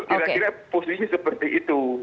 kira kira posisi seperti itu